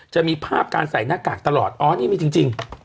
จะมีภาพการใส่หน้ากากตลอดอ๋อนี่มีจริง